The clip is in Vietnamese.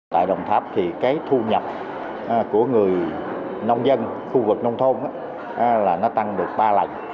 tại đồng tháp thì cái thu nhập của người nông dân khu vực nông thôn là nó tăng được ba lần